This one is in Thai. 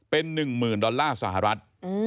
เป็น๑๐๐๐ดอลลาร์สหรัฐ